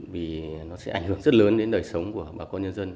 vì nó sẽ ảnh hưởng rất lớn đến đời sống của bà con nhân dân